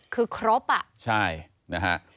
คือครบอ่ะใช่นะฮะ